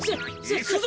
いくぞ。